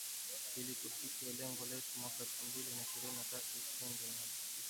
ili tufikie lengo letu mwaka elfu mbili ishrini na tatu ushindi wa kishindo